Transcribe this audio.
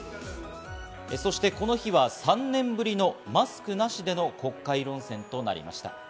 そしてこの日は３年ぶりのマスクなしでの国会論戦となりました。